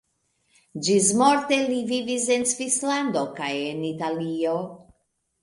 Ĝismorte li vivis en Svislando kaj en Italio.